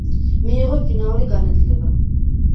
მიიღო შინაური განათლება.